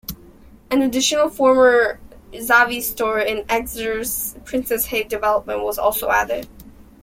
An additional former Zavvi store in Exeter's Princesshay development was also added.